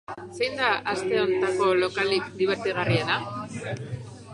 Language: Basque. Zein da aste honetako lokalik dibertigarriena?